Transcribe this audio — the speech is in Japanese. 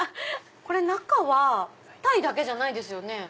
これ中はタイだけじゃないですよね？